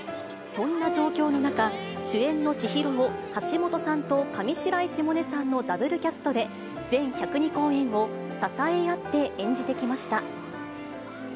そんな状況の中、主演の千尋を橋本さんと上白石萌音さんのダブルキャストで、全１０２公演を支え合って演じてきました。